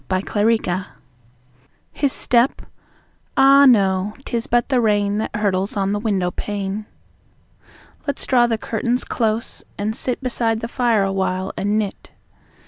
Listening His step? Ah, no; 'tis but the rain That hurtles on the window pane. Let's draw the curtains close and sit Beside the fire awhile and knit.